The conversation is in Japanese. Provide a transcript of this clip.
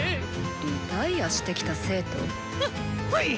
リタイアしてきた生徒？ははい！